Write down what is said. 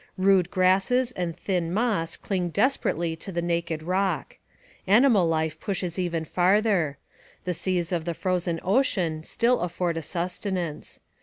Rude grasses and thin moss cling desperately to the naked rock. Animal life pushes even farther. The seas of the frozen ocean still afford a sustenance.